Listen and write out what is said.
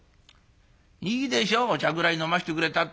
いいでしょお茶ぐらい飲ましてくれたって。